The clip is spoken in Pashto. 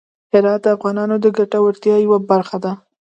هرات د افغانانو د ګټورتیا یوه برخه ده.